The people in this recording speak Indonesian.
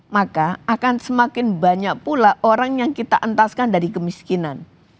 maka akan semakin banyak pula orang yang kita entaskan dari kemiskinan